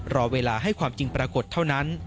รอเวลาให้ความจริงปรากฏเท่านั้น